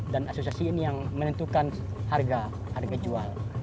dan asosiasi ini yang menentukan harga jual